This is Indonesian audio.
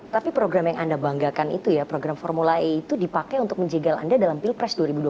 tapi program yang anda banggakan itu ya program formula e itu dipakai untuk menjegal anda dalam pilpres dua ribu dua puluh